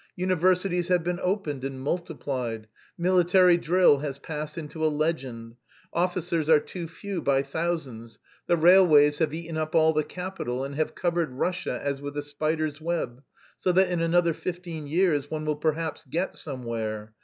Universities have been opened and multiplied. Military drill has passed into a legend; officers are too few by thousands, the railways have eaten up all the capital and have covered Russia as with a spider's web, so that in another fifteen years one will perhaps get somewhere.